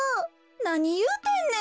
なにいうてんねん。